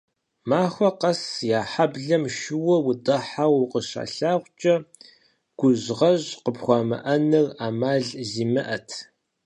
Махуэ къэс я хьэблэм шууэ удыхьэу укъыщалъагъукӀэ, гужьгъэжь къыпхуамыӀэныр Ӏэмал зимыӀэт.